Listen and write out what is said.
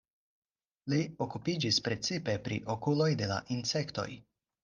Li okupiĝis precipe pri okuloj de la insektoj.